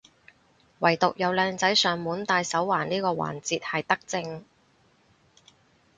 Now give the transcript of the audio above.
惟獨有靚仔上門戴手環呢個環節係德政